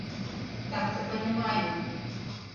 — Так-то понимаю...